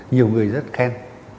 nhiều người rất khen